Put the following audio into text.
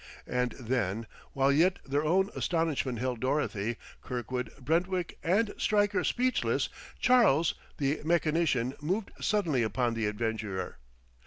And then, while yet their own astonishment held Dorothy, Kirkwood, Brentwick and Stryker speechless, Charles, the mechanician, moved suddenly upon the adventurer.